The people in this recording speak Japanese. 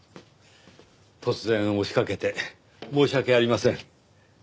突然押し掛けて申し訳ありません。